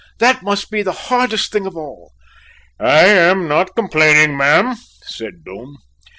"That must be the hardest thing of all." "I am not complaining, ma'am," said Doom.